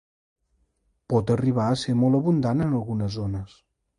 Pot arribar a ser molt abundant en algunes zones.